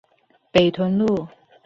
北屯路